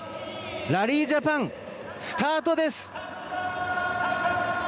ラリー・ジャパンスタートです！